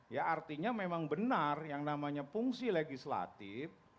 ya artinya memang benar yang namanya fungsi legislatif